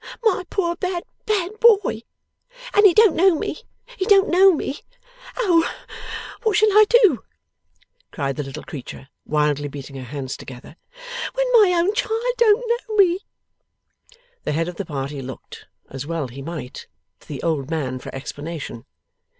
My poor bad, bad boy! and he don't know me, he don't know me! O what shall I do,' cried the little creature, wildly beating her hands together, 'when my own child don't know me!' The head of the party looked (as well he might) to the old man for explanation.